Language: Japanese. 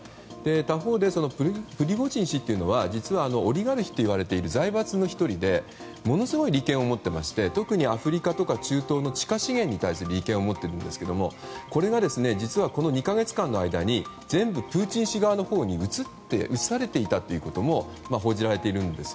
他方で、プリゴジン氏というのは実はオリガルヒといわれる財閥の１人でものすごい利権を持っていまして特にアフリカや中東の地下資源に対する利権を持っているんですがこれが実は、この２か月間の間に全部、プーチン氏側に移されていたとも報じられているんです。